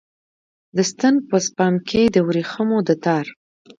د ستن په سپم کې د وریښمو د تار